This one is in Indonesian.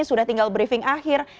sudah tinggal briefing akhir